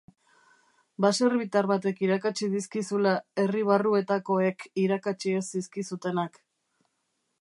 Baserritar batek irakatsi dizkizula herri barruetakoek irakatsi ez zizkizutenak.